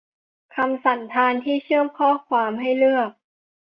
คำสันธานที่เชื่อมข้อความให้เลือก